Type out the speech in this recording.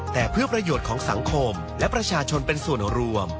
แต่เพื่อประโยชน์ของสังคมและประชาชนเป็นส่วนรวม